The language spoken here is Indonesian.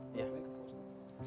ya baiklah pak ustadz